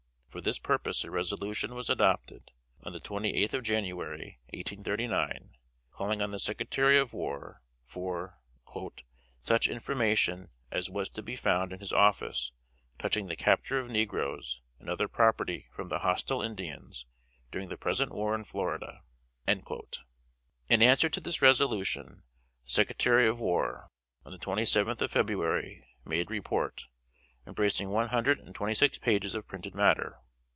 For this purpose a resolution was adopted, on the twenty eighth of January, 1839, calling on the Secretary of War for "such information as was to be found in his office touching the capture of negroes and other property from the hostile Indians, during the present war in Florida." In answer to this resolution, the Secretary of War, on the twenty seventh of February, made report, embracing one hundred and twenty six pages of printed matter.